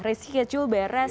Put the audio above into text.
risiko kecil beres